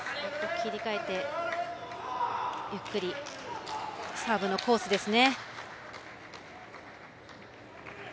切り替えてゆっくり、サーブのコースですね。